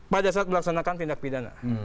pada saat melaksanakan tindak pidana